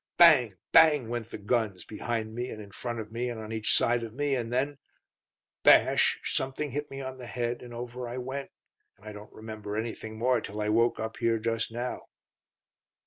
'Bang, bang!' went the guns, behind me and in front of me, and on each side of me, and then bash! something hit me on the head and over I went; and I don't remember anything more till I woke up here just now."